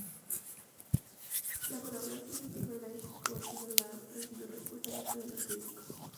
La colaboración de Timberlake con Timbaland recibido respuesta mixta de los críticos.